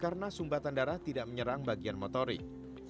karena sumbatan darah tidak menyerang bagian motorik